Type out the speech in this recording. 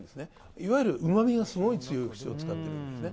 いわゆるうまみがすごい強い節を使っているんですね。